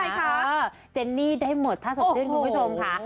ใช่ค่ะเจนนี่ได้หมดถ้าสดชื่นคุณผู้ชมค่ะ